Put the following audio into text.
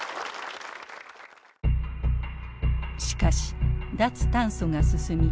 しかし脱炭素が進み